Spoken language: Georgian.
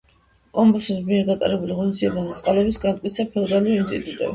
კომნენოსების მიერ გატარებულ ღონისძიებათა წყალობით განმტკიცდა ფეოდალური ინსტიტუტები.